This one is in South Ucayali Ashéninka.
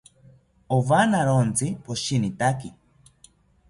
Owanawontzi poshinitaki